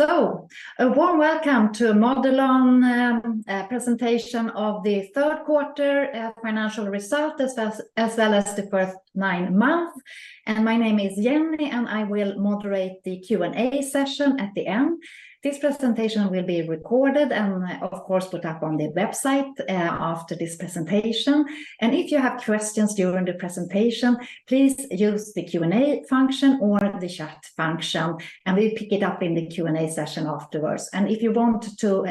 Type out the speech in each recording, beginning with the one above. So, a warm welcome to a Modelon presentation of the Third Quarter Financial Result, as well, as well as the first nine months. My name is Jenny, and I will moderate the Q&A session at the end. This presentation will be recorded and, of course, put up on the website after this presentation. And if you have questions during the presentation, please use the Q&A function or the chat function, and we'll pick it up in the Q&A session afterwards. And if you want to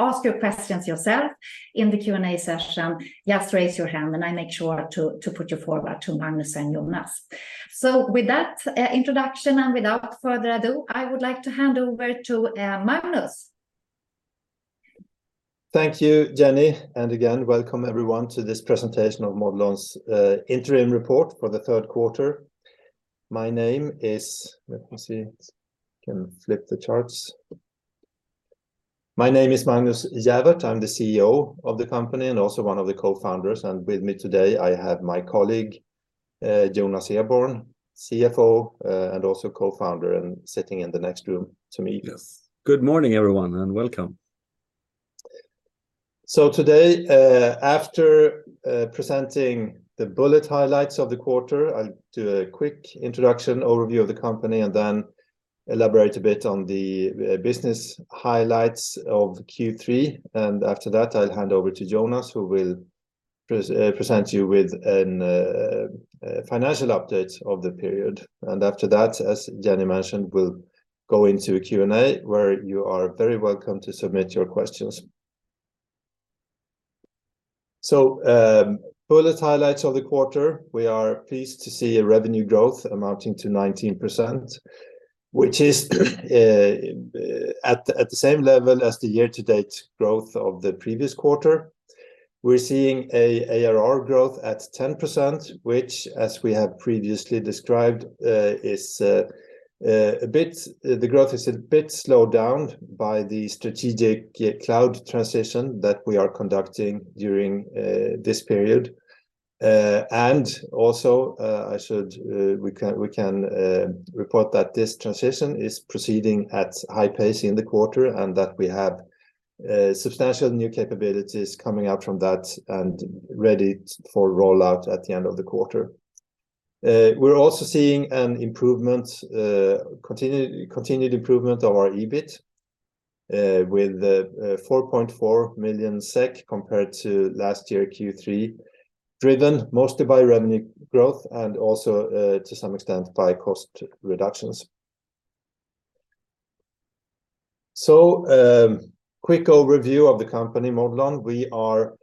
ask your questions yourself in the Q&A session, just raise your hand, and I make sure to put you forward to Magnus and Jonas. So with that introduction and without further ado, I would like to hand over to Magnus. Thank you, Jenny, and again, welcome everyone to this presentation of Modelon's Interim Report for the Third Quarter. My name is... Let me see. Can flip the charts. My name is Magnus Gäfvert. I'm the CEO of the company and also one of the co-founders, and with me today, I have my colleague, Jonas Eborn, CFO, and also co-founder, and sitting in the next room to me. Yes. Good morning, everyone, and welcome. So today, after presenting the bullet highlights of the quarter, I'll do a quick introduction, overview of the company, and then elaborate a bit on the business highlights of Q3. And after that, I'll hand over to Jonas, who will present you with a financial update of the period. And after that, as Jenny mentioned, we'll go into a Q&A, where you are very welcome to submit your questions. So, bullet highlights of the quarter, we are pleased to see a revenue growth amounting to 19%, which is at the same level as the year-to-date growth of the previous quarter. We're seeing a ARR growth at 10%, which, as we have previously described, the growth is a bit slowed down by the strategic cloud transition that we are conducting during this period. And also, we can report that this transition is proceeding at high pace in the quarter, and that we have substantial new capabilities coming out from that and ready for rollout at the end of the quarter. We're also seeing an improvement, continued improvement of our EBIT, with 4.4 million SEK compared to last year Q3, driven mostly by revenue growth and also, to some extent, by cost reductions. So, quick overview of the company, Modelon. We are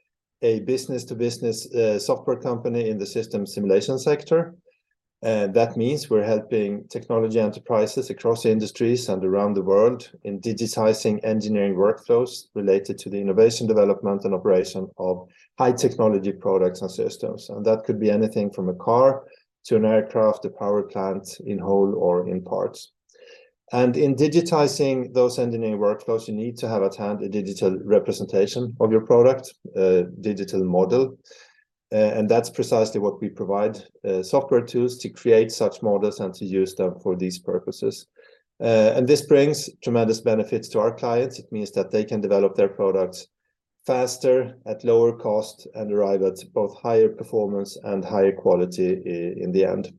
a business-to-business software company in the system simulation sector. That means we're helping technology enterprises across industries and around the world in digitizing engineering workflows related to the innovation, development, and operation of high-technology products and systems. And that could be anything from a car to an aircraft, a power plant, in whole or in parts. And in digitizing those engineering workflows, you need to have at hand a digital representation of your product, a digital model, and that's precisely what we provide, software tools to create such models and to use them for these purposes. And this brings tremendous benefits to our clients. It means that they can develop their products faster, at lower cost, and arrive at both higher performance and higher quality in the end.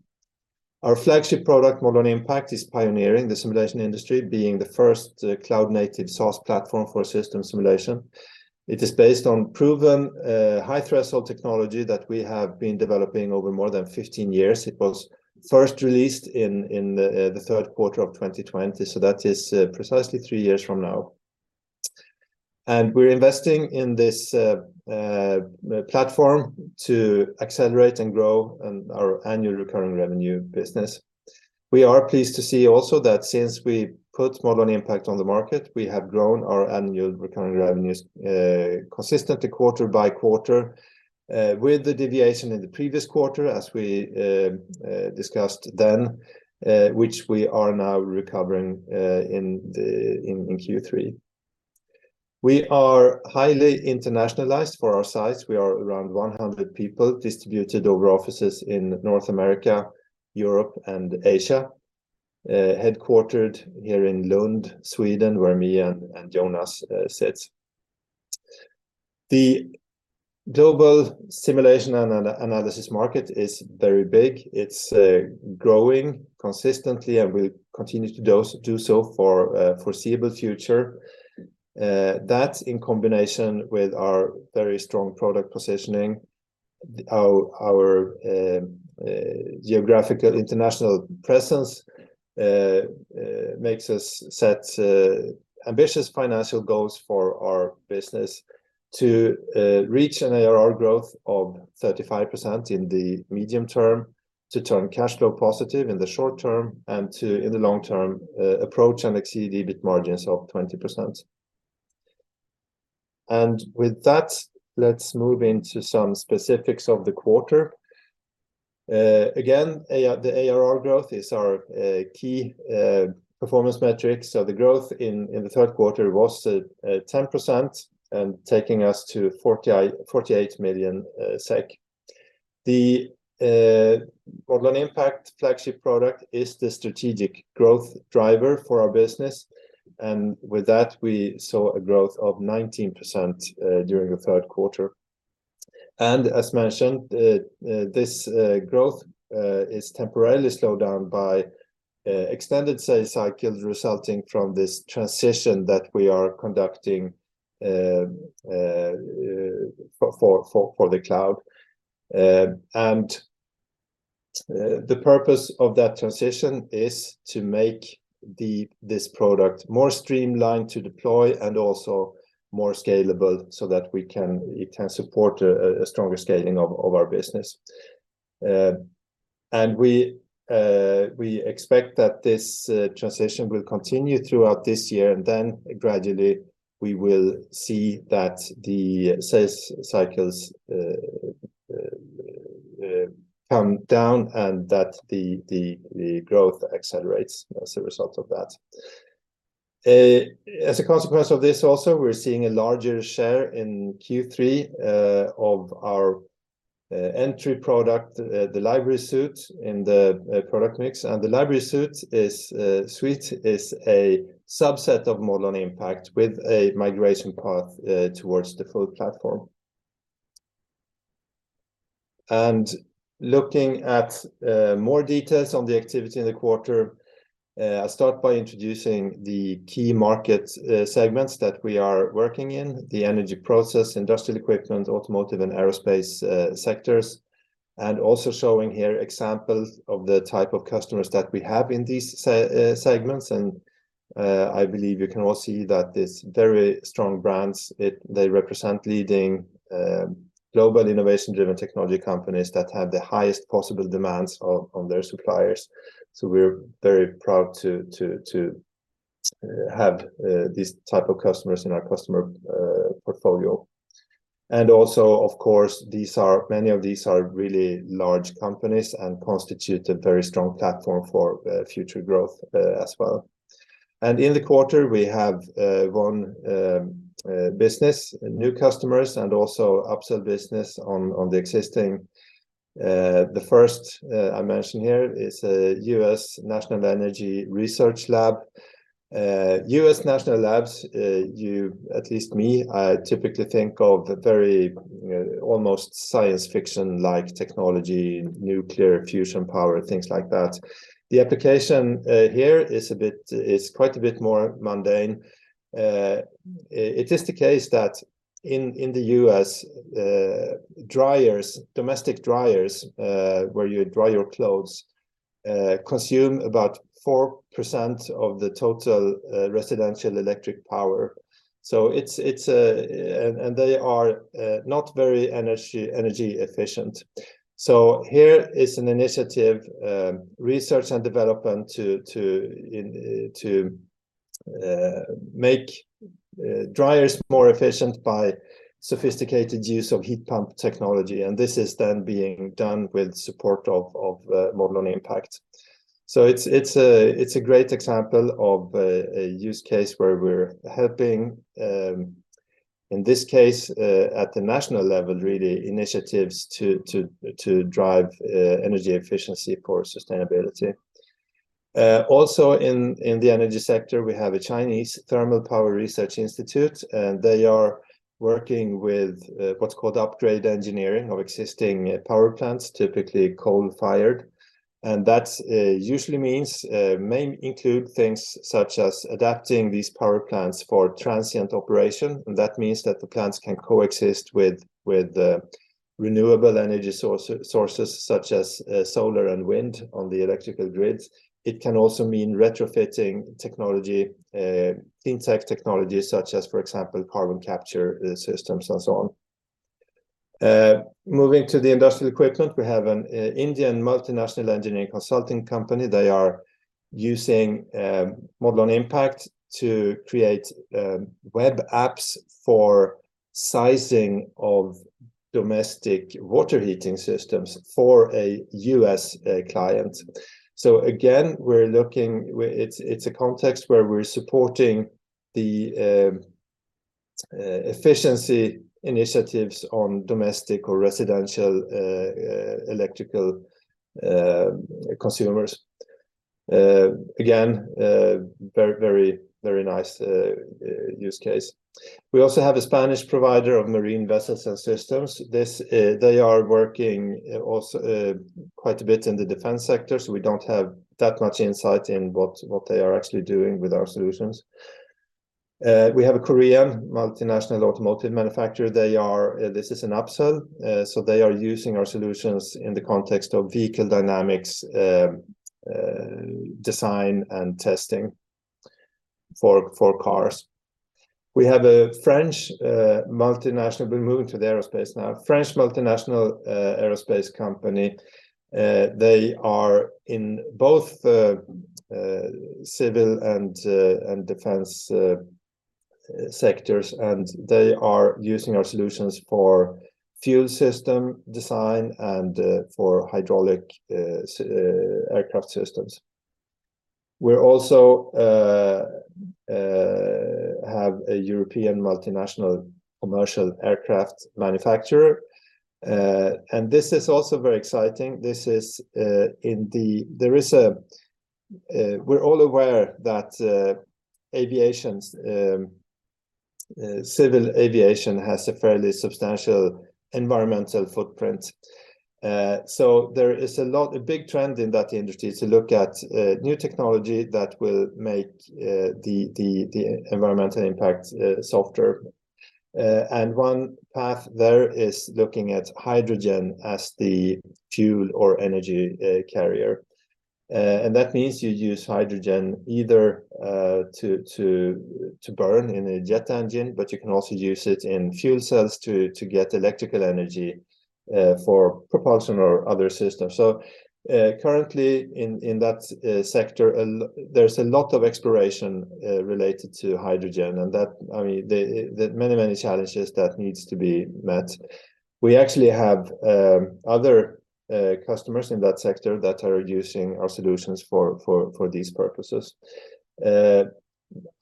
Our flagship product, Modelon Impact, is pioneering the simulation industry, being the first cloud-native source platform for system simulation. It is based on proven, high-threshold technology that we have been developing over more than 15 years. It was first released in the third quarter of 2020, so that is precisely three years from now. We're investing in this platform to accelerate and grow in our annual recurring revenue business. We are pleased to see also that since we put Modelon Impact on the market, we have grown our annual recurring revenues consistently quarter by quarter, with the deviation in the previous quarter, as we discussed then, which we are now recovering in Q3. We are highly internationalized for our size. We are around 100 people distributed over offices in North America, Europe, and Asia, headquartered here in Lund, Sweden, where me and Jonas sit. The global simulation and analysis market is very big. It's growing consistently and will continue to do so for foreseeable future. That, in combination with our very strong product positioning, our geographical international presence, makes us set ambitious financial goals for our business to reach an ARR growth of 35% in the medium term, to turn cashflow positive in the short term, and to, in the long term, approach and exceed EBIT margins of 20%. With that, let's move into some specifics of the quarter. Again, the ARR growth is our key performance metric. So the growth in the third quarter was 10%, and taking us to 48 million SEK. The Modelon Impact flagship product is the strategic growth driver for our business, and with that, we saw a growth of 19% during the third quarter. As mentioned, this growth is temporarily slowed down by extended sales cycles resulting from this transition that we are conducting for the cloud. The purpose of that transition is to make this product more streamlined to deploy and also more scalable so that we can- it can support a stronger scaling of our business. We expect that this transition will continue throughout this year, and then gradually, we will see that the sales cycles come down and that the growth accelerates as a result of that. As a consequence of this also, we're seeing a larger share in Q3 of our entry product, the Library Suite, in the product mix. The Library Suite is a subset of Modelon Impact with a migration path towards the full platform. Looking at more details on the activity in the quarter, I'll start by introducing the key market segments that we are working in, the energy process, industrial equipment, automotive, and aerospace sectors, and also showing here examples of the type of customers that we have in these segments. I believe you can all see that it's very strong brands. They represent leading global innovation-driven technology companies that have the highest possible demands on their suppliers. So we're very proud to have these type of customers in our customer portfolio. And also, of course, these are... many of these are really large companies and constitute a very strong platform for future growth, as well. And in the quarter, we have won business, new customers, and also upsell business on the existing. The first I mention here is U.S. National Energy Research Lab. U.S. National Labs, you, at least me, I typically think of a very almost science fiction-like technology, nuclear fusion power, things like that. The application here is a bit, is quite a bit more mundane. It is the case that in the U.S., dryers, domestic dryers, where you dry your clothes, consume about 4% of the total residential electric power. So it's, and they are not very energy efficient. So here is an initiative, research and development to make dryers more efficient by sophisticated use of heat pump technology, and this is then being done with support of Modelon Impact. So it's a great example of a use case where we're helping, in this case, at the national level, really, initiatives to drive energy efficiency for sustainability. Also in the energy sector, we have a Chinese thermal power research institute, and they are working with what's called upgrade engineering of existing power plants, typically coal-fired. And that usually means may include things such as adapting these power plants for transient operation, and that means that the plants can coexist with renewable energy sources, such as solar and wind on the electrical grids. It can also mean retrofitting technology in tech technologies, such as, for example, carbon capture systems and so on. Moving to the industrial equipment, we have an Indian multinational engineering consulting company. They are using Modelon Impact to create web apps for sizing of domestic water heating systems for a U.S. client. So again, we're looking... It's a context where we're supporting the efficiency initiatives on domestic or residential electrical consumers. Again, very, very, very nice use case. We also have a Spanish provider of marine vessels and systems. This, they are working also quite a bit in the defense sector, so we don't have that much insight in what they are actually doing with our solutions. We have a Korean multinational automotive manufacturer. They are, this is an upsell, so they are using our solutions in the context of vehicle dynamics design and testing for cars. We have a French multinational—we're moving to the aerospace now. French multinational aerospace company, they are in both the civil and defense sectors, and they are using our solutions for fuel system design and for hydraulic aircraft systems. We also have a European multinational commercial aircraft manufacturer. And this is also very exciting. This is, there is a, we're all aware that aviation's civil aviation has a fairly substantial environmental footprint. So there is a lot, a big trend in that industry to look at new technology that will make the environmental impact softer. And one path there is looking at hydrogen as the fuel or energy carrier. And that means you use hydrogen either to burn in a jet engine, but you can also use it in fuel cells to get electrical energy for propulsion or other systems. So, currently, in that sector, and there's a lot of exploration related to hydrogen, and that, I mean, the many, many challenges that needs to be met. We actually have other customers in that sector that are using our solutions for these purposes.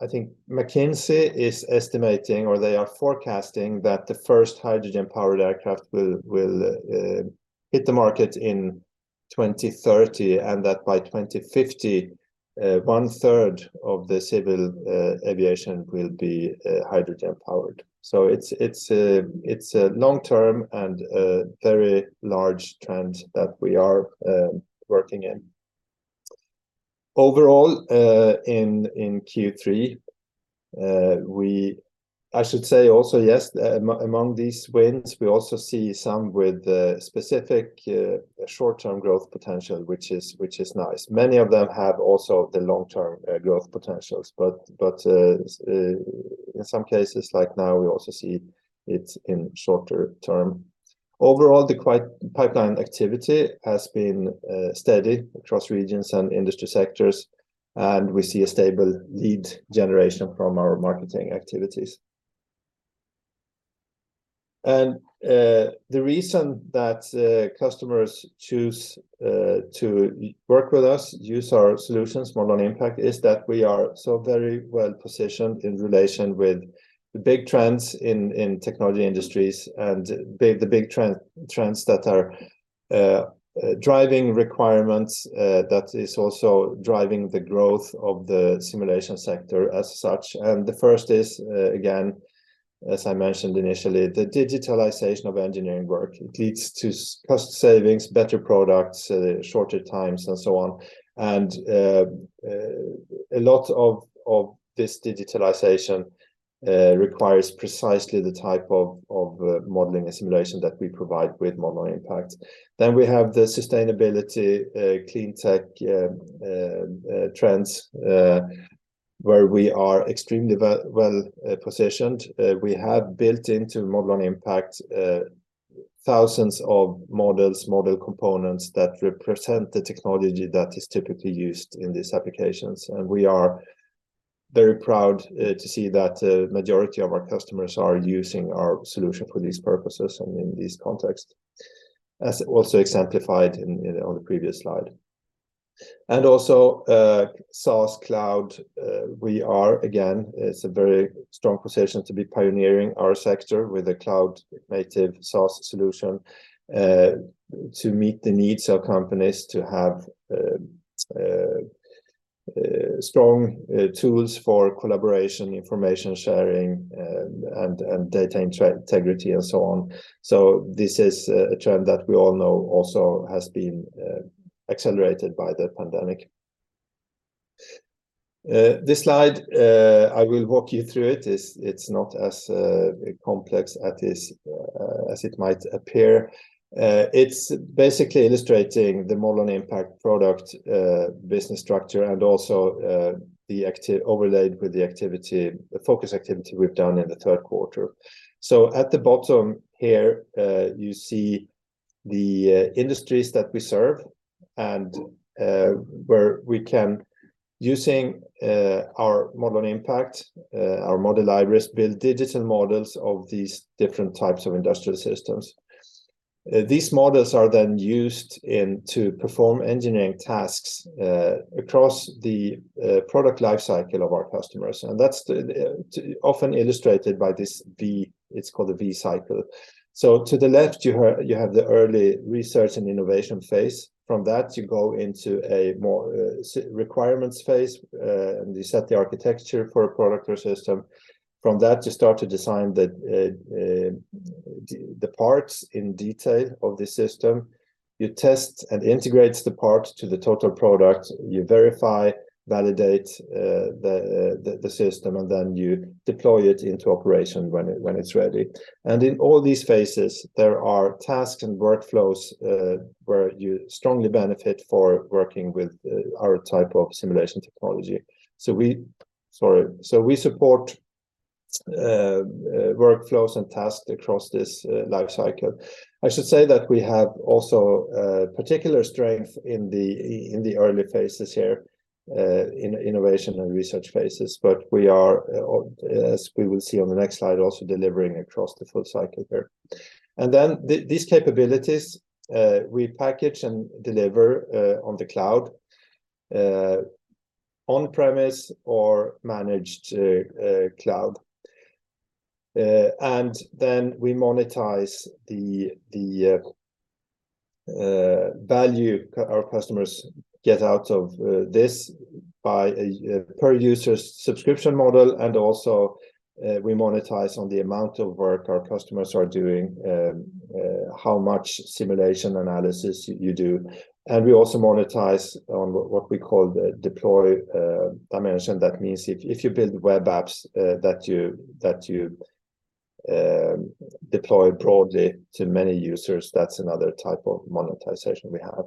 I think McKinsey is estimating, or they are forecasting, that the first hydrogen-powered aircraft will hit the market in 2030, and that by 2050, one third of the civil aviation will be hydrogen-powered. So it's a long-term and a very large trend that we are working in. Overall, in Q3, we—I should say also, yes, among these wins, we also see some with specific short-term growth potential, which is—which is nice. Many of them have also the long-term growth potentials, but in some cases, like now, we also see it's in shorter term. Overall, the pipeline activity has been steady across regions and industry sectors, and we see a stable lead generation from our marketing activities. And the reason that customers choose to work with us, use our solutions, Modelon Impact, is that we are so very well positioned in relation with the big trends in technology industries and the big trends that are driving requirements that is also driving the growth of the simulation sector as such. And the first is, again, as I mentioned initially, the digitalization of engineering work. It leads to cost savings, better products, shorter times, and so on. And a lot of this digitalization requires precisely the type of modeling and simulation that we provide with Modelon Impact. Then we have the sustainability, cleantech trends, where we are extremely well positioned. We have built into Modelon Impact thousands of models, model components, that represent the technology that is typically used in these applications. And we are very proud to see that the majority of our customers are using our solution for these purposes and in this context, as also exemplified on the previous slide. And also, SaaS cloud, we are, again, it's a very strong position to be pioneering our sector with a cloud-native SaaS solution, to meet the needs of companies to have strong tools for collaboration, information sharing, and data integrity, and so on. So this is a trend that we all know also has been accelerated by the pandemic. This slide, I will walk you through it. It's not as complex as it might appear. It's basically illustrating the Modelon Impact product business structure and also the activity overlaid with the activity, the focus activity we've done in the third quarter. So at the bottom here, you see the industries that we serve and where we can, using our Modelon Impact, our model libraries, build digital models of these different types of industrial systems. These models are then used in to perform engineering tasks across the product life cycle of our customers, and that's often illustrated by this V. It's called the V-cycle. So to the left, you have the early research and innovation phase. From that, you go into a more requirements phase and you set the architecture for a product or system. From that, you start to design the parts in detail of the system. You test and integrates the parts to the total product. You verify, validate, the system, and then you deploy it into operation when it's ready. And in all these phases, there are tasks and workflows where you strongly benefit for working with our type of simulation technology. So we support workflows and tasks across this life cycle. I should say that we have also particular strength in the early phases here, in innovation and research phases. But we are, as we will see on the next slide, also delivering across the full cycle here. And then, these capabilities, we package and deliver on the cloud, on-premise or managed cloud. and then we monetize the value our customers get out of this by a per user subscription model, and also we monetize on the amount of work our customers are doing, how much simulation analysis you do. And we also monetize on what we call the deploy dimension. That means if you build web apps that you deploy broadly to many users, that's another type of monetization we have.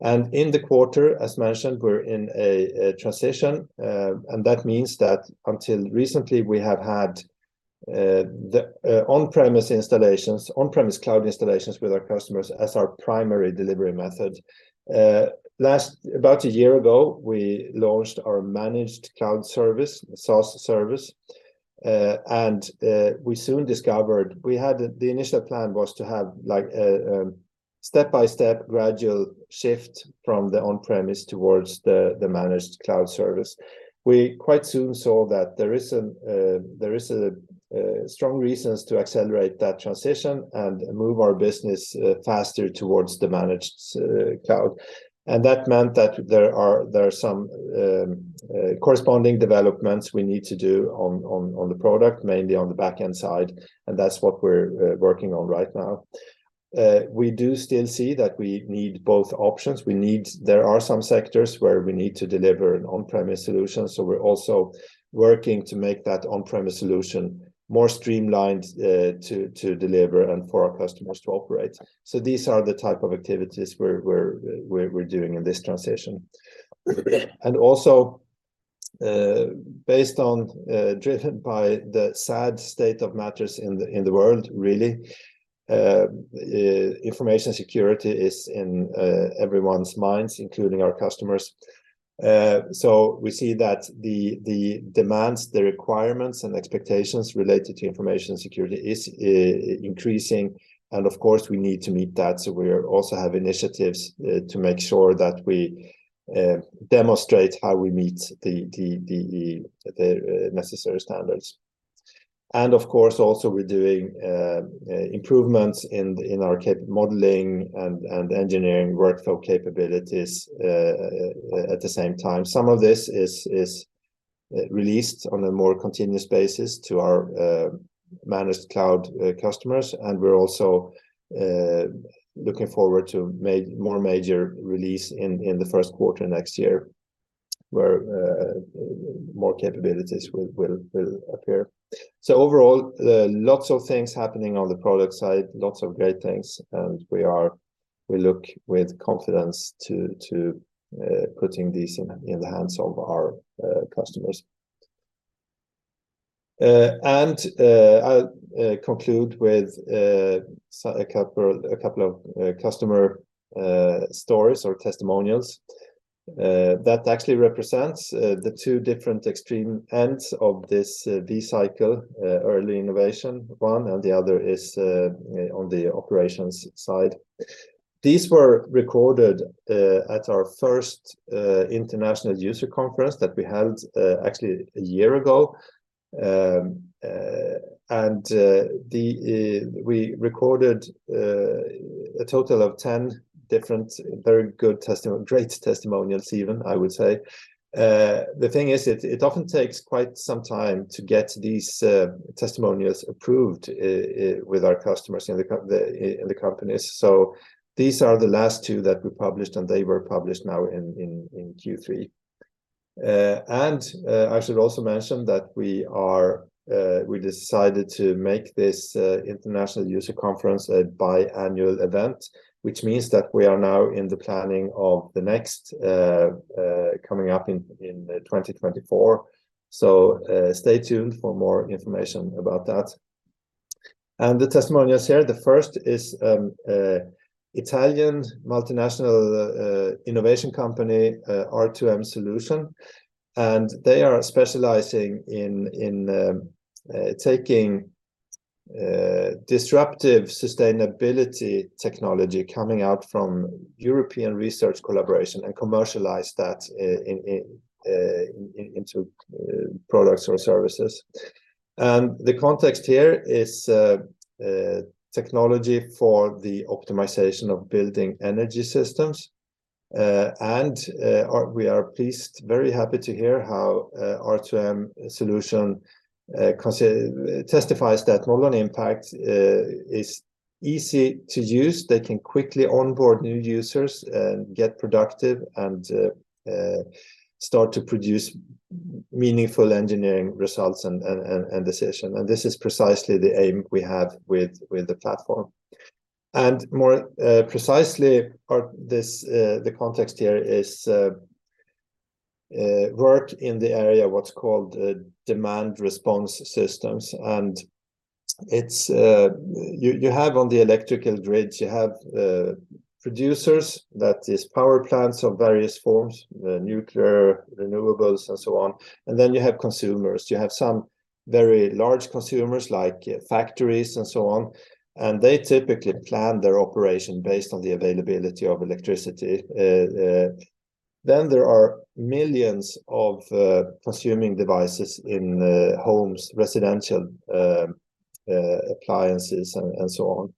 And in the quarter, as mentioned, we're in a transition, and that means that until recently we have had the on-premise installations, on-premise cloud installations with our customers as our primary delivery method. About a year ago, we launched our managed cloud service, SaaS service, and we soon discovered... The initial plan was to have, like, a step-by-step, gradual shift from the on-premise towards the managed cloud service. We quite soon saw that there is strong reasons to accelerate that transition and move our business faster towards the managed cloud. And that meant that there are some corresponding developments we need to do on the product, mainly on the back-end side, and that's what we're working on right now. We do still see that we need both options. We need—there are some sectors where we need to deliver an on-premise solution, so we're also working to make that on-premise solution more streamlined to deliver and for our customers to operate. So these are the type of activities we're doing in this transition. And also, based on, driven by the sad state of matters in the world, really, information security is in everyone's minds, including our customers. So we see that the demands, the requirements, and expectations related to information security is increasing, and of course, we need to meet that. So we also have initiatives to make sure that we demonstrate how we meet the necessary standards. And of course, also we're doing improvements in our capability modeling and engineering workflow capabilities at the same time. Some of this is released on a more continuous basis to our managed cloud customers, and we're also looking forward to more major release in the first quarter next year, where more capabilities will appear. So overall, lots of things happening on the product side, lots of great things, and we look with confidence to putting these in the hands of our customers. And I'll conclude with a couple of customer stories or testimonials that actually represents the two different extreme ends of this V cycle, early innovation, one, and the other is on the operations side. These were recorded at our first international user conference that we held actually a year ago. We recorded a total of 10 different, very good testimonials—great testimonials even, I would say. The thing is, it often takes quite some time to get these testimonials approved with our customers in the companies. So these are the last two that we published, and they were published now in Q3. I should also mention that we decided to make this international user conference a biannual event, which means that we are now in the planning of the next coming up in 2024. So, stay tuned for more information about that. And the testimonials here, the first is an Italian multinational innovation company, R2M Solution, and they are specializing in taking disruptive sustainability technology coming out from European research collaboration and commercialize that into products or services. And the context here is technology for the optimization of building energy systems. And we are pleased, very happy to hear how R2M Solution testifies that Modelon Impact is easy to use. They can quickly onboard new users, get productive, and start to produce meaningful engineering results and decisions. And this is precisely the aim we have with the platform. And more precisely, the context here is work in the area what's called demand response systems. It's you have on the electrical grids, you have producers, that is power plants of various forms, nuclear, renewables, and so on, and then you have consumers. You have some very large consumers, like factories and so on, and they typically plan their operation based on the availability of electricity. Then there are millions of consuming devices in homes, residential, appliances and so on.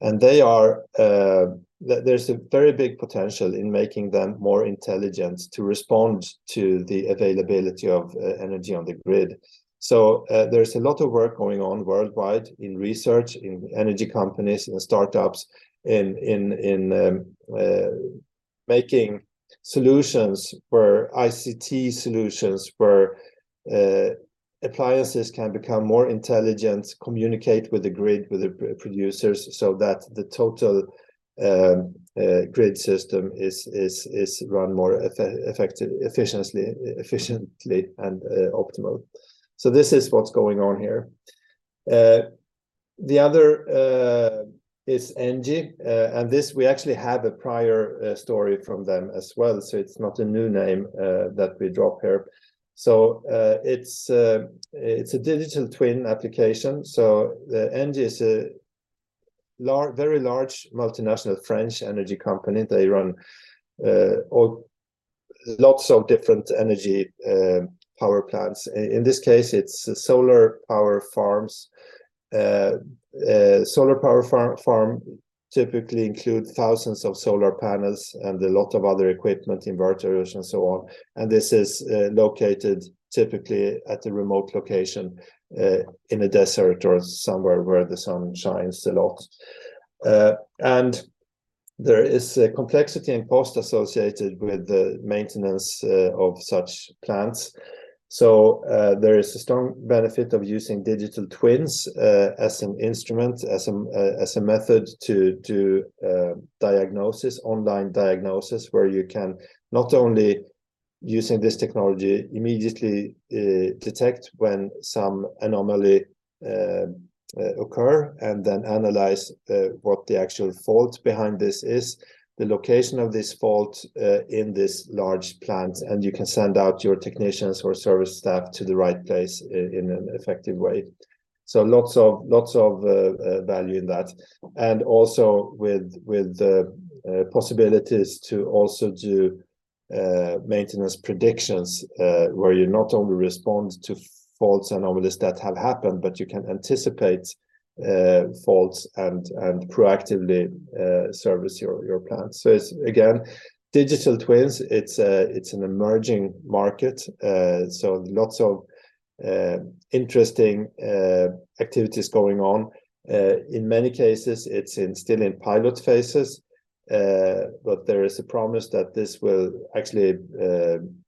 And they are, there's a very big potential in making them more intelligent to respond to the availability of energy on the grid. So, there's a lot of work going on worldwide in research, in energy companies, in startups, making ICT solutions where appliances can become more intelligent, communicate with the grid, with the producers, so that the total grid system is run more effective, efficiently, and optimal. So this is what's going on here. The other is ENGIE. And this, we actually have a prior story from them as well, so it's not a new name that we drop here. So, it's a digital twin application. So ENGIE is a very large multinational French energy company. They run lots of different energy power plants. In this case, it's solar power farms. Solar power farm typically includes thousands of solar panels and a lot of other equipment, inverters and so on, and this is located typically at a remote location in a desert or somewhere where the sun shines a lot. And there is a complexity and cost associated with the maintenance of such plants. So there is a strong benefit of using digital twins as an instrument, as a method to diagnosis, online diagnosis, where you can not only using this technology immediately detect when some anomaly occur, and then analyze what the actual fault behind this is, the location of this fault in this large plant, and you can send out your technicians or service staff to the right place in an effective way. So lots of value in that. And also with possibilities to also do maintenance predictions, where you not only respond to faults and anomalies that have happened, but you can anticipate faults and proactively service your plant. So it's, again, digital twins. It's an emerging market. So lots of interesting activities going on. In many cases, it's still in pilot phases, but there is a promise that this will actually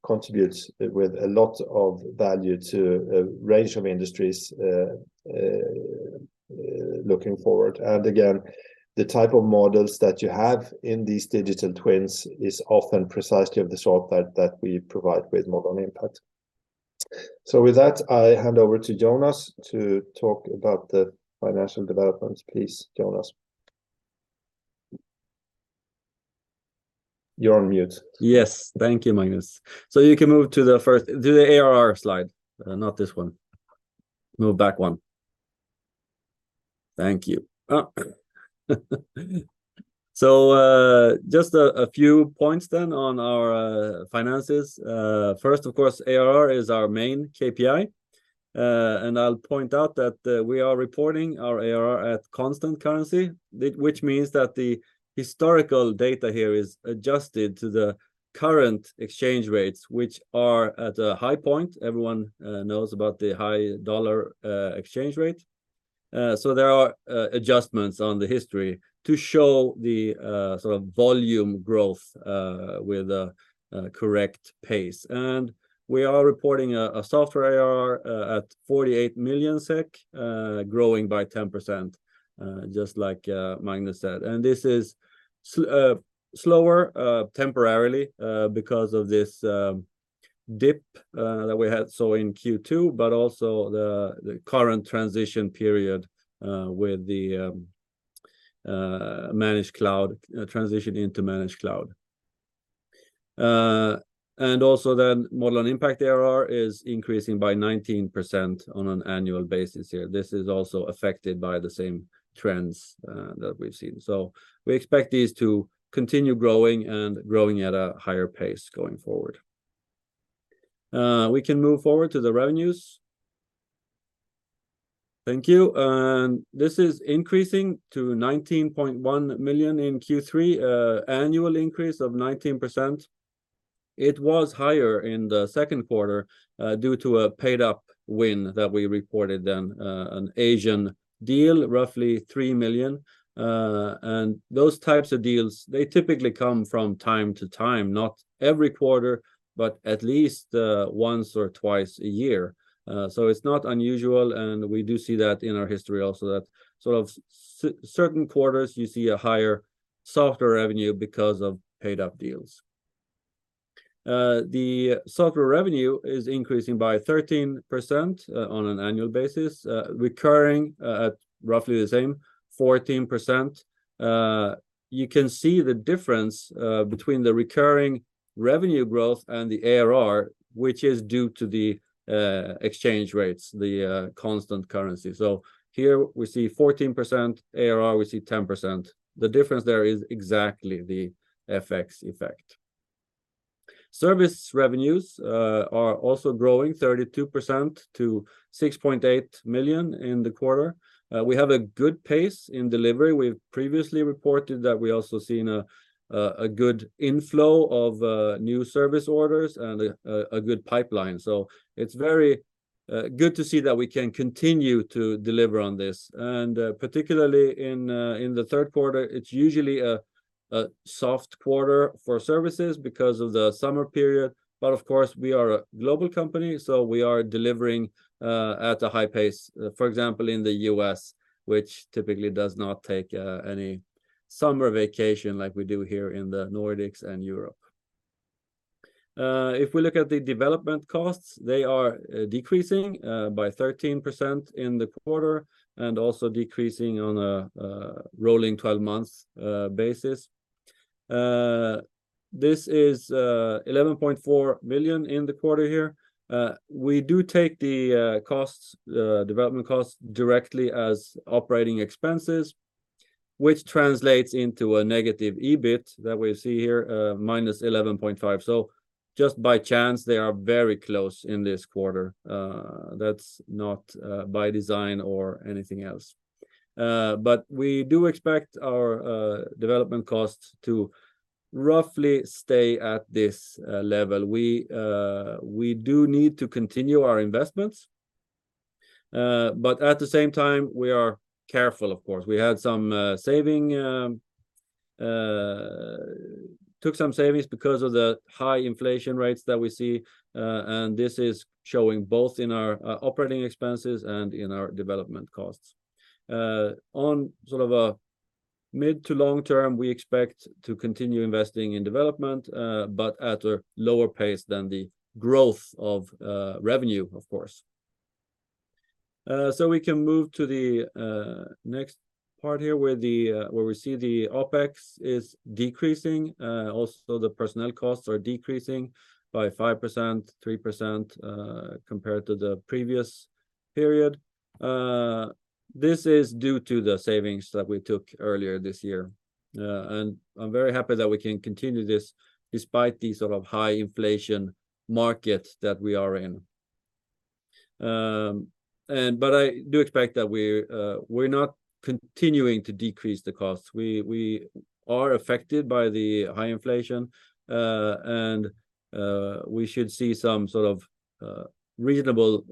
contribute with a lot of value to a range of industries, looking forward. And again, the type of models that you have in these digital twins is often precisely of the sort that we provide with Modelon Impact. So with that, I hand over to Jonas to talk about the financial developments. Please, Jonas. You're on mute. Yes. Thank you, Magnus. So you can move to the first... To the ARR slide. Not this one. Move back one. Thank you. Oh, so just a few points then on our finances. First, of course, ARR is our main KPI. And I'll point out that we are reporting our ARR at constant currency, which means that the historical data here is adjusted to the current exchange rates, which are at a high point. Everyone knows about the high dollar exchange rate. So there are adjustments on the history to show the sort of volume growth with a correct pace. And we are reporting a software ARR at 48 million SEK, growing by 10%, just like Magnus said. This is slower, temporarily, because of this dip that we had, so in Q2, but also the current transition period with the managed cloud transition into managed cloud. Also then Modelon Impact ARR is increasing by 19% on an annual basis here. This is also affected by the same trends that we've seen. So we expect these to continue growing and growing at a higher pace going forward. We can move forward to the revenues. Thank you. This is increasing to 19.1 million in Q3, annual increase of 19%. It was higher in the second quarter due to a paid-up win that we reported then, an Asian deal, roughly 3 million. And those types of deals, they typically come from time to time, not every quarter, but at least once or twice a year. So it's not unusual, and we do see that in our history also, that sort of certain quarters, you see a higher software revenue because of paid-up deals. The software revenue is increasing by 13% on an annual basis, recurring, at roughly the same, 14%. You can see the difference between the recurring revenue growth and the ARR, which is due to the exchange rates, the constant currency. So here we see 14%, ARR, we see 10%. The difference there is exactly the FX effect. Service revenues are also growing 32% to 6.8 million in the quarter. We have a good pace in delivery. We've previously reported that we also seen a good inflow of new service orders and a good pipeline. So it's very good to see that we can continue to deliver on this. And particularly in the third quarter, it's usually a soft quarter for services because of the summer period. But of course, we are a global company, so we are delivering at a high pace. For example, in the U.S., which typically does not take any summer vacation like we do here in the Nordics and Europe. If we look at the development costs, they are decreasing by 13% in the quarter and also decreasing on a rolling twelve months basis. This is 11.4 million in the quarter here. We do take the costs, the development costs directly as operating expenses, which translates into a negative EBIT that we see here, minus 11.5. So just by chance, they are very close in this quarter. That's not by design or anything else. But we do expect our development costs to roughly stay at this level. We do need to continue our investments. But at the same time, we are careful, of course. We had some... took some savings because of the high inflation rates that we see, and this is showing both in our operating expenses and in our development costs. On sort of a mid- to long-term, we expect to continue investing in development, but at a lower pace than the growth of revenue, of course. So we can move to the next part here, where we see the OpEx is decreasing. Also the personnel costs are decreasing by 5%, 3%, compared to the previous period. This is due to the savings that we took earlier this year. And I'm very happy that we can continue this despite the sort of high inflation market that we are in. And but I do expect that we're not continuing to decrease the costs. We are affected by the high inflation, and we should see some sort of reasonable,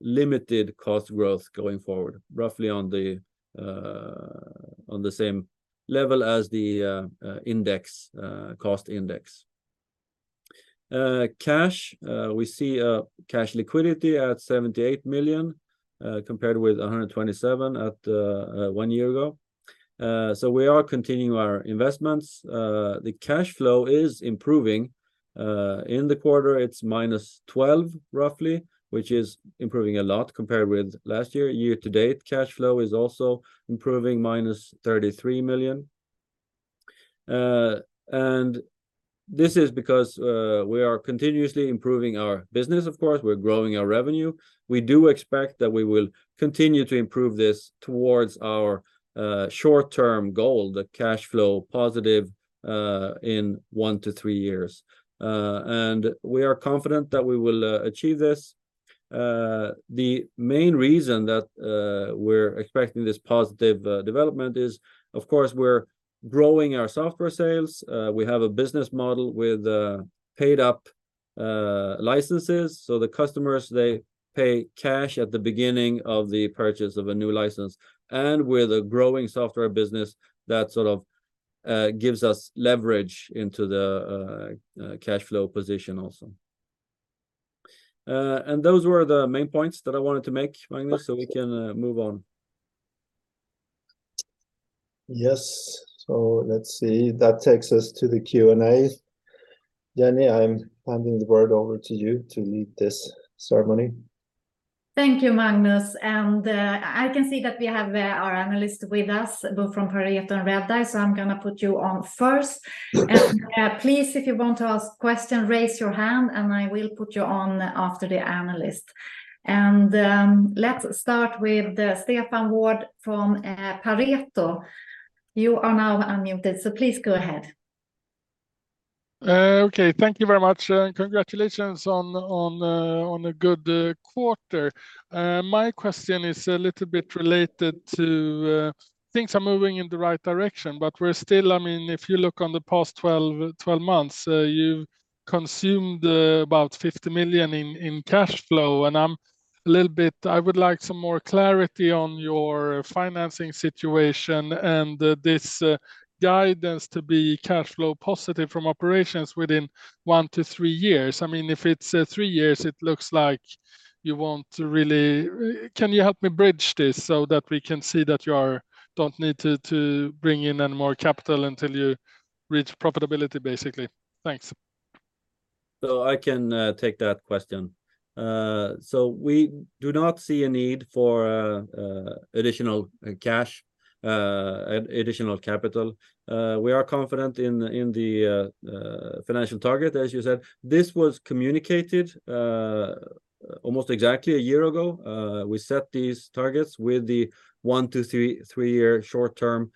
limited cost growth going forward, roughly on the same level as the index, cost index. Cash liquidity, we see a cash liquidity at 78 million, compared with 127 million at one year ago. So we are continuing our investments. The cash flow is improving. In the quarter, it's -12 million, roughly, which is improving a lot compared with last year. Year to date, cash flow is also improving, 33 million. And this is because we are continuously improving our business, of course, we're growing our revenue. We do expect that we will continue to improve this towards our short-term goal, the cash flow positive in one to three years. And we are confident that we will achieve this. The main reason that we're expecting this positive development is, of course, we're growing our software sales. We have a business model with paid-up licenses, so the customers, they pay cash at the beginning of the purchase of a new license. And with a growing software business, that sort of gives us leverage into the cash flow position also. And those were the main points that I wanted to make, Magnus, so we can move on. Yes. So let's see. That takes us to the Q&A. Jenny, I'm handing the word over to you to lead this ceremony. Thank you, Magnus. I can see that we have our analyst with us, both from Pareto and Redeye, so I'm gonna put you on first. Please, if you want to ask question, raise your hand, and I will put you on after the analyst. Let's start with Stefan Wård from Pareto. You are now unmuted, so please go ahead. Okay. Thank you very much, and congratulations on a good quarter. My question is a little bit related to things are moving in the right direction, but we're still... I mean, if you look on the past twelve, twelve months, you've consumed about 50 million in cash flow, and I'm a little bit- I would like some more clarity on your financing situation and this guidance to be cash flow positive from operations within one to three years. I mean, if it's three years, it looks like you want to really... Can you help me bridge this so that we can see that you are- don't need to bring in any more capital until you reach profitability, basically? Thanks. So I can take that question. So we do not see a need for additional cash, additional capital. We are confident in the financial target, as you said. This was communicated almost exactly a year ago. We set these targets with the one to three-year short-term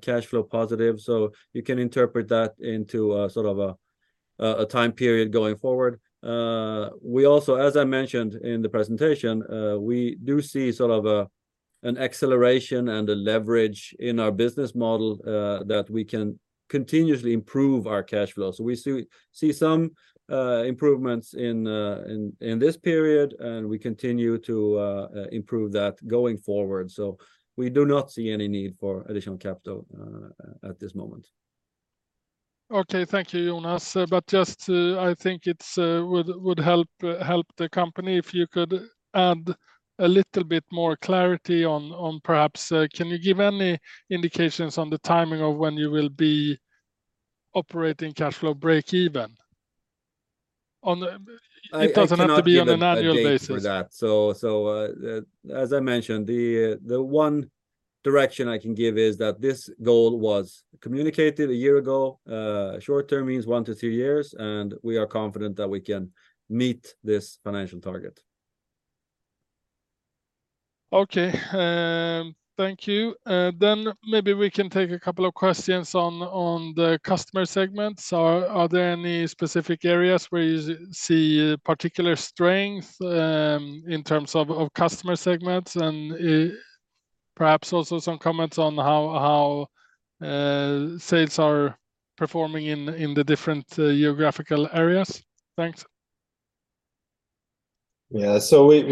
cash flow positive. So you can interpret that into a sort of a time period going forward. We also, as I mentioned in the presentation, we do see sort of an acceleration and a leverage in our business model that we can continuously improve our cash flow. So we see some improvements in this period, and we continue to improve that going forward. We do not see any need for additional capital at this moment. Okay, thank you, Jonas. But just to, I think it would help the company if you could add a little bit more clarity on perhaps, can you give any indications on the timing of when you will be operating cash flow breakeven? On the, it doesn't have to be on an annual basis. I cannot give a date for that. As I mentioned, the one direction I can give is that this goal was communicated a year ago. Short-term means one to two years, and we are confident that we can meet this financial target. Okay, thank you. Then maybe we can take a couple of questions on the customer segments. Are there any specific areas where you see particular strength in terms of customer segments? And perhaps also some comments on how sales are performing in the different geographical areas. Thanks. Yeah. So we.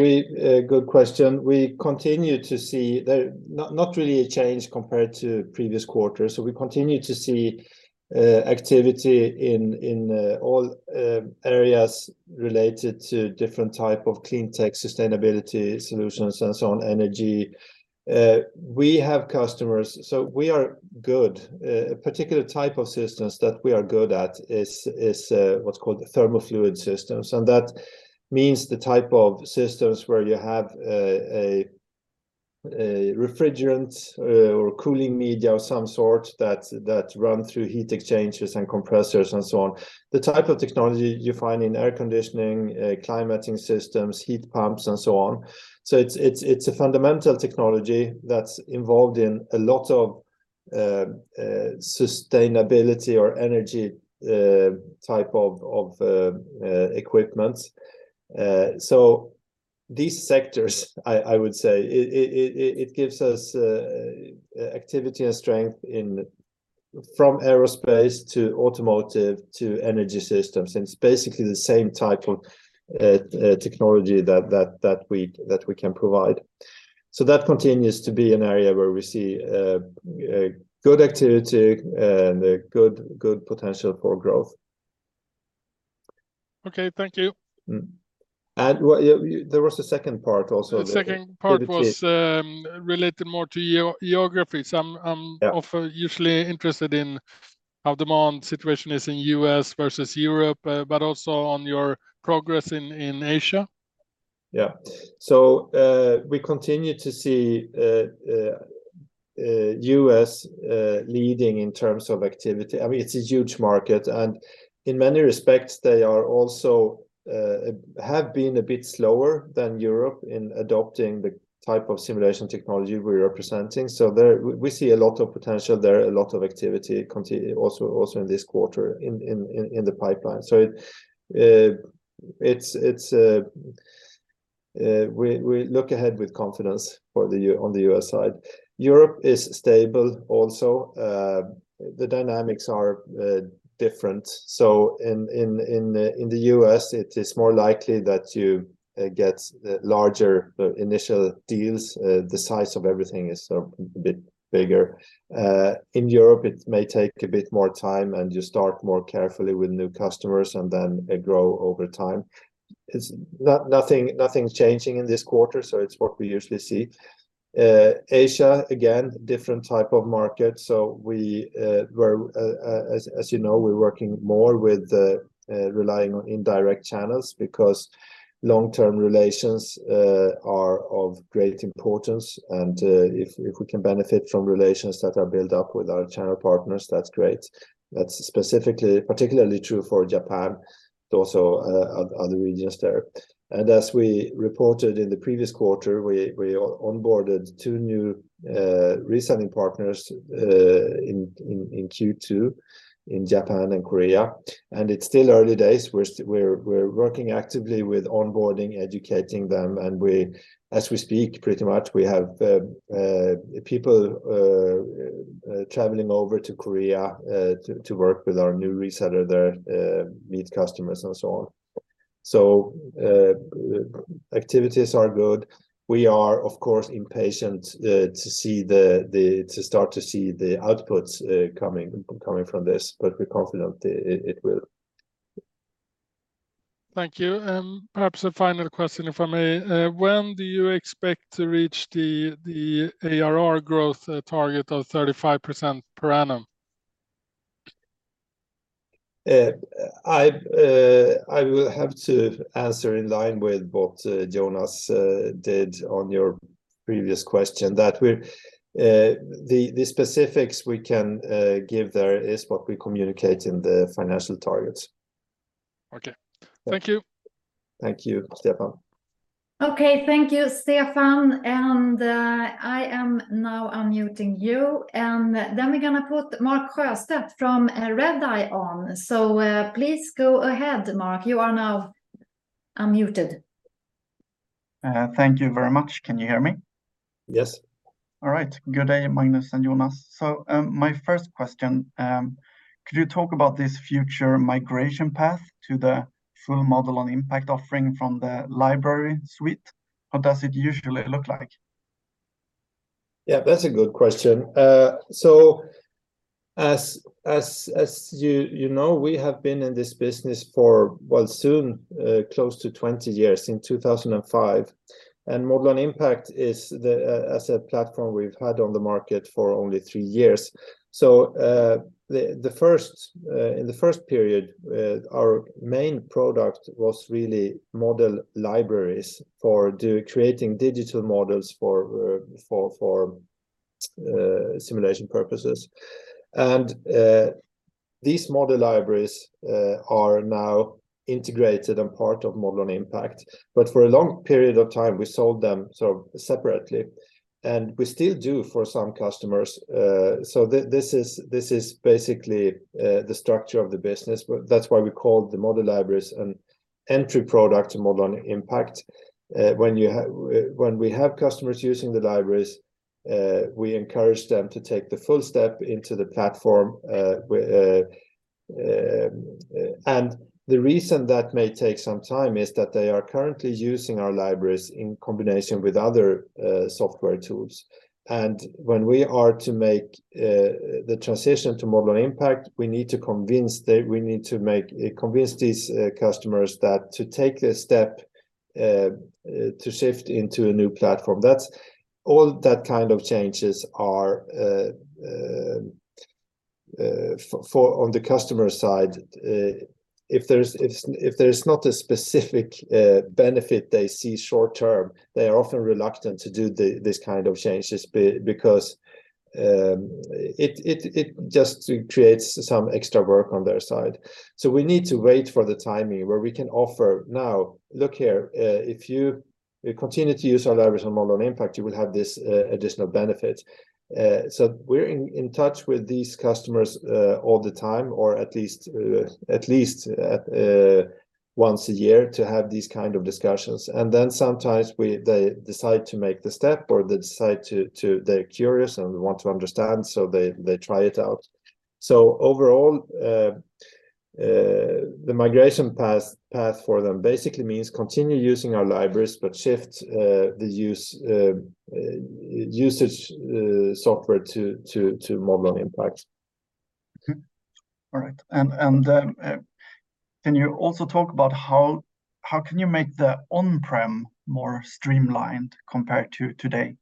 Good question. We continue to see not really a change compared to previous quarters. So we continue to see activity in all areas related to different type of clean tech, sustainability solutions, and so on, energy. We have customers, so we are good. A particular type of systems that we are good at is what's called thermofluid systems, and that means the type of systems where you have a refrigerant or cooling media of some sort that run through heat exchangers and compressors and so on. The type of technology you find in air conditioning, climate systems, heat pumps, and so on. So it's a fundamental technology that's involved in a lot of sustainability or energy type of equipment. So these sectors, I would say, it gives us activity and strength from aerospace to automotive to energy systems, and it's basically the same type of technology that we can provide. So that continues to be an area where we see a good activity and a good potential for growth. Okay, thank you. Mm-hmm. And well, yeah, there was a second part also- The second part was- Did you-... related more to geographies. Yeah. I'm often usually interested in how demand situation is in U.S. versus Europe, but also on your progress in Asia. Yeah. So, we continue to see, U.S. leading in terms of activity. I mean, it's a huge market, and in many respects they are also have been a bit slower than Europe in adopting the type of simulation technology we're representing. So there, we see a lot of potential there, a lot of activity continue also in this quarter, in the pipeline. So it's, we look ahead with confidence for the U.S., on the U.S. side. Europe is stable also. The dynamics are different. So in the U.S., it is more likely that you get larger initial deals. The size of everything is sort of a bit bigger. In Europe, it may take a bit more time, and you start more carefully with new customers, and then grow over time. It's not... Nothing's changing in this quarter, so it's what we usually see. Asia, again, different type of market, so we're, as you know, we're working more with relying on indirect channels, because long-term relations are of great importance. And if we can benefit from relations that are built up with our channel partners, that's great. That's specifically, particularly true for Japan, but also other regions there. And as we reported in the previous quarter, we onboarded two new reselling partners in Q2, in Japan and Korea. It's still early days. We're working actively with onboarding, educating them, and as we speak, pretty much, we have people traveling over to Korea to work with our new reseller there, meet customers, and so on. So, activities are good. We are, of course, impatient to start to see the outputs coming from this, but we're confident it will. Thank you. Perhaps a final question, if I may. When do you expect to reach the ARR growth target of 35% per annum? I will have to answer in line with what Jonas did on your previous question, that we're the specifics we can give there is what we communicate in the financial targets. Okay. Thank you. Thank you, Stefan. ... Okay, thank you, Stefan, and, I am now unmuting you, and then we're gonna put Mark Siöstedt from Redeye on. So, please go ahead, Mark. You are now unmuted. Thank you very much. Can you hear me? Yes. All right. Good day, Magnus and Jonas. So, my first question, could you talk about this future migration path to the full Modelon Impact offering from the Library Suite? What does it usually look like? Yeah, that's a good question. So as you know, we have been in this business for, well, soon, close to 20 years, in 2005, and Modelon Impact is the, as a platform we've had on the market for only three years. So, the first, in the first period, our main product was really model libraries for creating digital models for simulation purposes. And, these model libraries are now integrated and part of Modelon Impact, but for a long period of time, we sold them sort of separately, and we still do for some customers. So this is basically the structure of the business, but that's why we call the model libraries an entry product to Modelon Impact. When we have customers using the libraries, we encourage them to take the full step into the platform, and the reason that may take some time is that they are currently using our libraries in combination with other software tools. And when we are to make the transition to Modelon Impact, we need to convince they, we need to make, convince these customers that to take this step, to shift into a new platform, that's all that kind of changes are for on the customer side, if there's not a specific benefit they see short term, they are often reluctant to do the this kind of changes because it just creates some extra work on their side. So we need to wait for the timing where we can offer, "Now, look here, if you continue to use our libraries on Modelon Impact, you will have this additional benefit." So we're in touch with these customers all the time, or at least once a year to have these kind of discussions. And then sometimes they decide to make the step, or they decide to, they're curious and want to understand, so they try it out. So overall, the migration path for them basically means continue using our libraries, but shift the use, usage software to Modelon Impact. Okay. All right. And can you also talk about how you can make the on-prem more streamlined compared to today?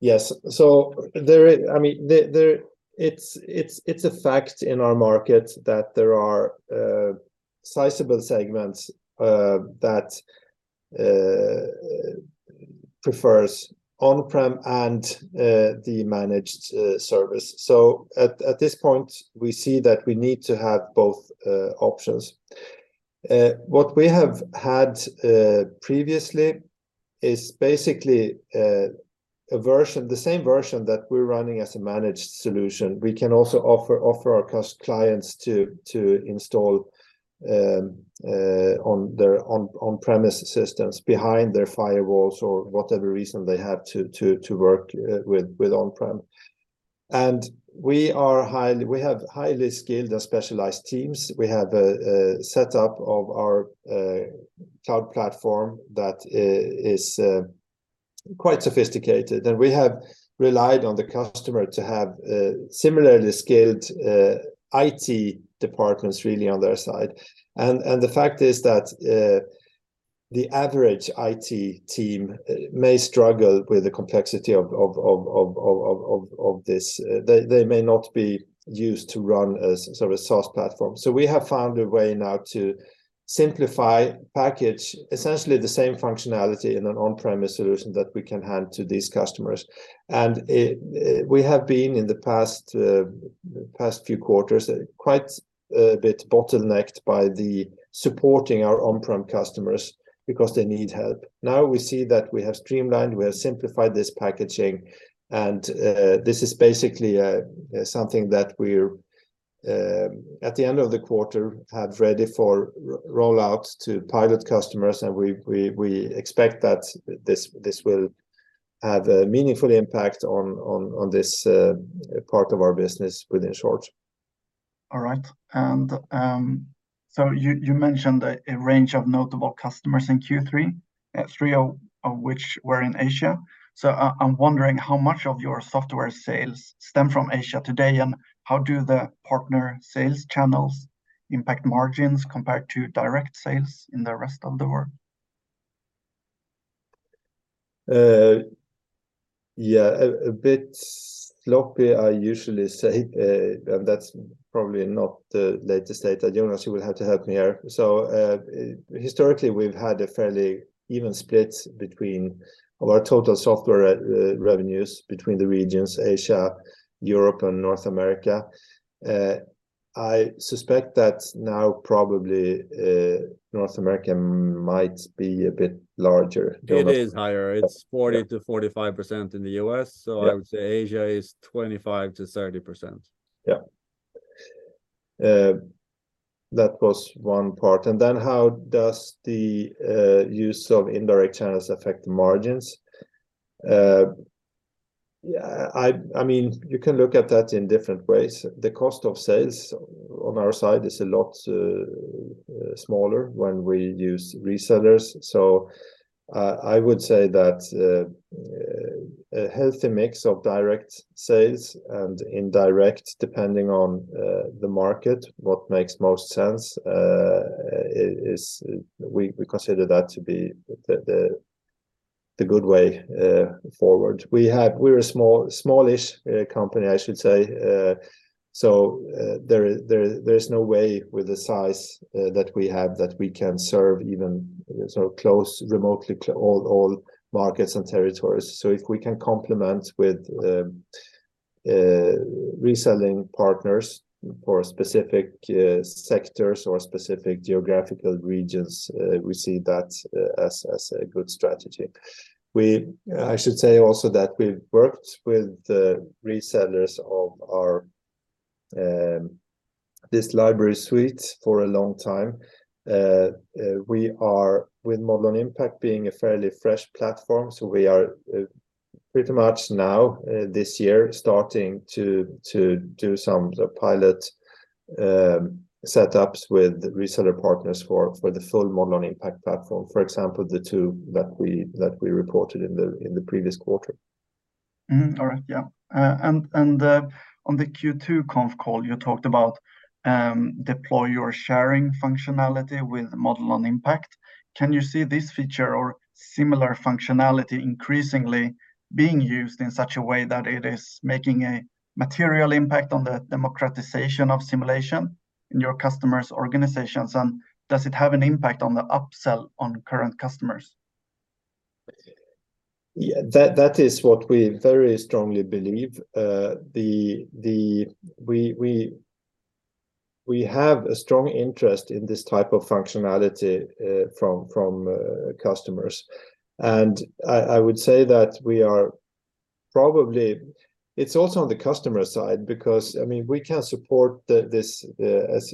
Yes. So I mean, the, it's a fact in our market that there are sizable segments that prefers on-prem and the managed service. So at this point, we see that we need to have both options. What we have had previously is basically a version, the same version that we're running as a managed solution. We can also offer our clients to install on their on-premise systems, behind their firewalls or whatever reason they have to work with on-prem. And we are highly, we have highly skilled and specialized teams. We have a setup of our cloud platform that is quite sophisticated, and we have relied on the customer to have similarly skilled IT departments really on their side. The fact is that the average IT team may struggle with the complexity of this. They may not be used to run a sort of SaaS platform. So we have found a way now to simplify, package, essentially the same functionality in an on-premise solution that we can hand to these customers. We have been, in the past few quarters, quite a bit bottlenecked by supporting our on-prem customers because they need help. Now we see that we have streamlined, we have simplified this packaging, and this is basically something that we're at the end of the quarter have ready for roll out to pilot customers, and we expect that this will have a meaningful impact on this part of our business within short. All right. And, so you mentioned a range of notable customers in Q3, three of which were in Asia. So I'm wondering how much of your software sales stem from Asia today, and how do the partner sales channels impact margins compared to direct sales in the rest of the world? Yeah, a bit sloppy, I usually say, and that's probably not the latest data. Jonas, you will have to help me here. So, historically, we've had a fairly even split between our total software revenues between the regions, Asia, Europe, and North America. I suspect that now probably, North America might be a bit larger. It is higher. It's 40%-45% in the U.S. Yeah. I would say Asia is 25%-30%. Yeah. That was one part, and then how does the use of indirect channels affect the margins? Yeah, I mean, you can look at that in different ways. The cost of sales on our side is a lot smaller when we use resellers. So, I would say that a healthy mix of direct sales and indirect, depending on the market, what makes most sense, is we consider that to be the good way forward. We're a small, smallish company, I should say. So, there's no way with the size that we have that we can serve even so close, remotely all markets and territories. So if we can complement with reselling partners for specific sectors or specific geographical regions, we see that as a good strategy. We, I should say also that we've worked with the resellers of our this Library Suite for a long time. We are, with Modelon Impact being a fairly fresh platform, so we are pretty much now this year, starting to do some pilot setups with reseller partners for the full Modelon Impact platform. For example, the two that we that we reported in the in the previous quarter. Mm-hmm. All right, yeah. On the Q2 conf call, you talked about deploy your sharing functionality with Modelon Impact. Can you see this feature or similar functionality increasingly being used in such a way that it is making a material impact on the democratization of simulation in your customers' organizations? And does it have an impact on the upsell on current customers? Yeah, that is what we very strongly believe. We have a strong interest in this type of functionality from customers. And I would say that we are probably, it's also on the customer side, because, I mean, we can support this as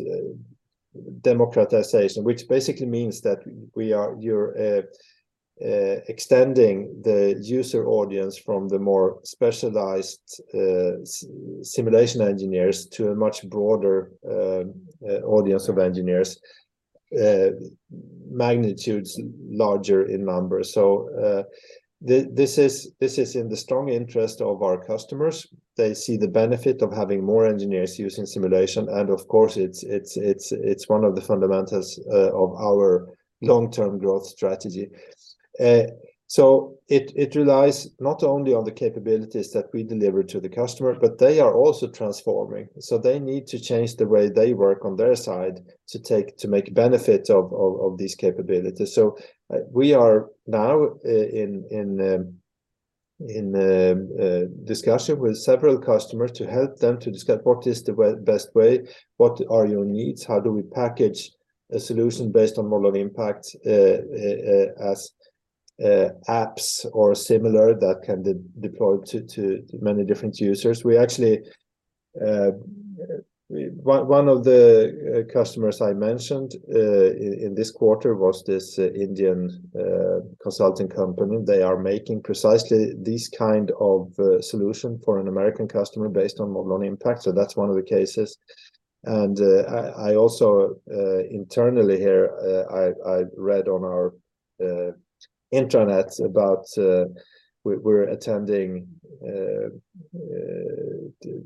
democratization, which basically means that we are, you're extending the user audience from the more specialized simulation engineers to a much broader audience of engineers, magnitudes larger in numbers. So, this is in the strong interest of our customers. They see the benefit of having more engineers using simulation, and of course, it's one of the fundamentals of our long-term growth strategy. So it relies not only on the capabilities that we deliver to the customer, but they are also transforming. So they need to change the way they work on their side to make benefit of these capabilities. So we are now in discussion with several customers to help them to discuss what is the best way, what are your needs, how do we package a solution based on Modelon Impact, as apps or similar that can deploy to many different users. We actually... One of the customers I mentioned in this quarter was this Indian consulting company. They are making precisely this kind of solution for an American customer based on Modelon Impact, so that's one of the cases. I also internally here, I read on our intranet about, we're attending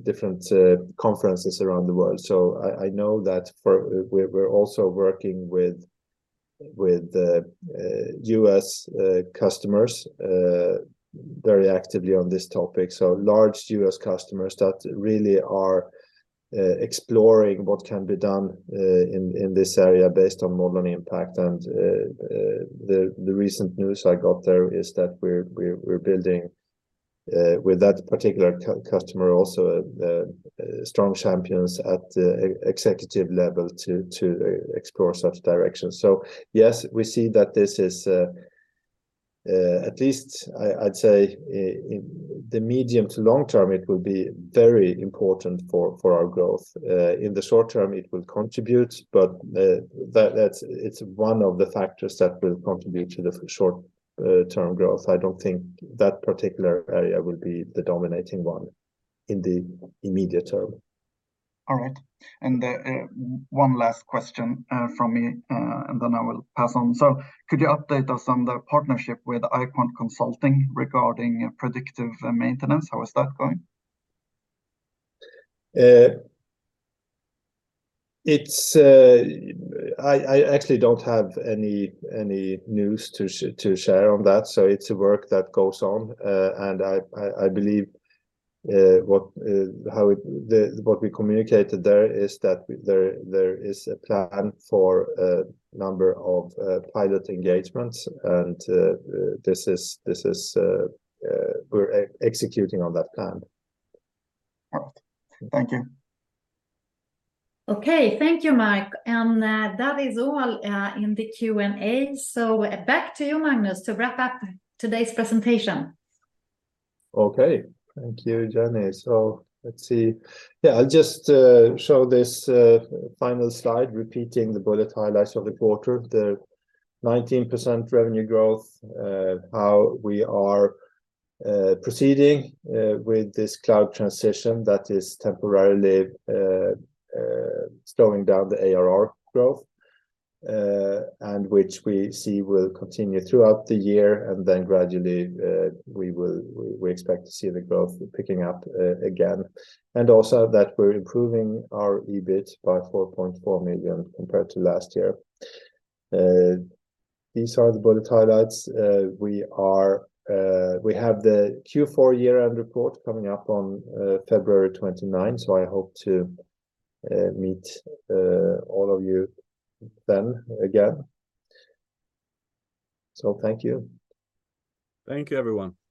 different conferences around the world. So I know that we're also working with U.S. customers very actively on this topic. So large U.S. customers that really are exploring what can be done in this area based on Modelon Impact. And, the recent news I got there is that we're building with that particular customer, also strong champions at the executive level to explore such directions. So yes, we see that this is, at least I, I'd say, in the medium to long term, it will be very important for our growth. In the short term, it will contribute, but that's one of the factors that will contribute to the short term growth. I don't think that particular area will be the dominating one in the immediate term. All right. One last question from me, and then I will pass on. Could you update us on the partnership with Eicorn Consulting regarding predictive maintenance? How is that going? It's actually, I don't have any news to share on that, so it's a work that goes on. And I believe what we communicated there is that there is a plan for a number of pilot engagements, and this is, we're executing on that plan. All right. Thank you. Okay. Thank you, Mark. That is all in the Q&A. Back to you, Magnus, to wrap up today's presentation. Okay. Thank you, Jenny. So let's see. Yeah, I'll just show this final slide, repeating the bullet highlights of the quarter, the 19% revenue growth, how we are proceeding with this cloud transition that is temporarily slowing down the ARR growth, and which we see will continue throughout the year, and then gradually, we expect to see the growth picking up again. And also, that we're improving our EBIT by 4.4 million compared to last year. These are the bullet highlights. We have the Q4 year-end report coming up on February 29, so I hope to meet all of you then again. So thank you. Thank you, everyone!